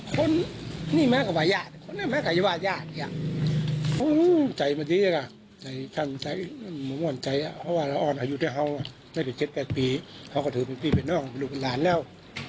พี่อยู่ด้วยกันมาจนเป็นแยกเป็นคนในครอบครอบครัว